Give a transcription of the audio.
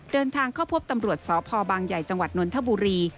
เดินทางเข้าพบตำรวจสพบางใหญ่จังหวัดนนทบุรี